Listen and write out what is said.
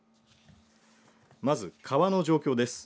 まず川の状況です。